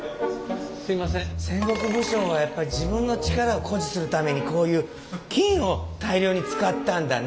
戦国武将はやっぱ自分の力を誇示するためにこういう金を大量に使ったんだね。